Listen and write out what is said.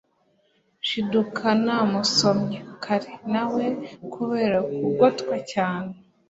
nshiduka namusomye kare nawe kubera kugotwa cyane